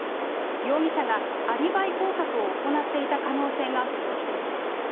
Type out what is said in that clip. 容疑者がアリバイ工作を行った可能性が浮上しています。